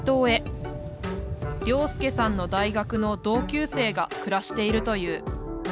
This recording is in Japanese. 良介さんの大学の同級生が暮らしているという。